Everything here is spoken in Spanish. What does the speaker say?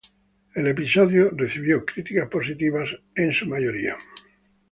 El episodio recibió en su mayoría críticas positivas.